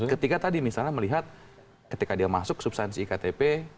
ketika tadi misalnya melihat ketika dia masuk substansi iktp